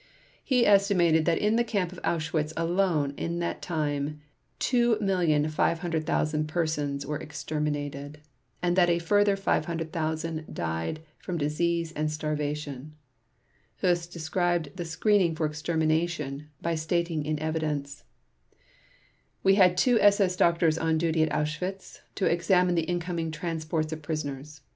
He estimated that in the camp of Auschwitz alone in that time 2,500,000 persons were exterminated, and that a further 500,000 died from disease and starvation. Höss described the screening for extermination by stating in evidence: "We had two SS doctors on duty at Auschwitz to examine the incoming transports of prisoners.